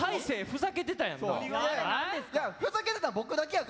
ふざけてたやん！